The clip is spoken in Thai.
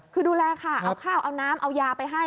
คือดูแลค่ะเอาน้ำเอายาไปให้